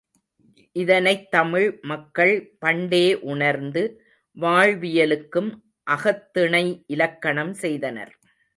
இதனைத் தமிழ் மக்கள் பண்டே உணர்ந்து வாழ்வியலுக்கும் அகத்திணை இலக்கணம் செய்தனர்.